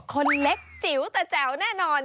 คนเล็กจิ๋วแต่แจ๋วแน่นอน